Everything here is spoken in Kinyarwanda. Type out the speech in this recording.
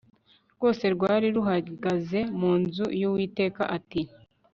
rwose rwari ruhagaze mu nzu y uwiteka ati